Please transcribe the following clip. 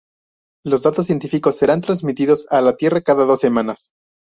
Los datos científicos serán transmitidos a la Tierra cada dos semanas.